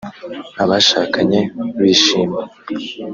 Abashakanye bishimye